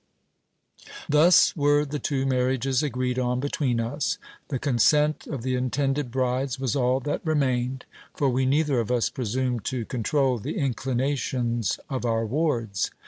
Thus were the two marriages agreed on between us. The consent of the intended brides was all that remained ; for we neither of us presumed to con trol the inclinations of our wards.